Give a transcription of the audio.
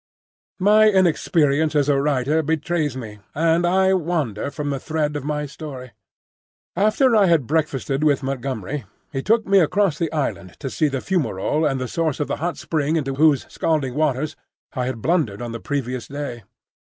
My inexperience as a writer betrays me, and I wander from the thread of my story. After I had breakfasted with Montgomery, he took me across the island to see the fumarole and the source of the hot spring into whose scalding waters I had blundered on the previous day.